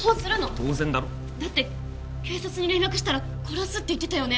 当然だろだって警察に連絡したら殺すって言ってたよね